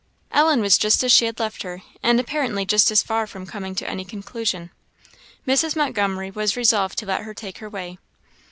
Ellen was just as she had left her, and apparently just as far from coming to any conclusion. Mrs. Montgomery was resolved to let her take her way.